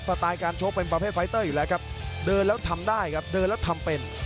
สไตล์การชกเป็นประเภทไฟเตอร์อยู่แล้วครับเดินแล้วทำได้ครับเดินแล้วทำเป็น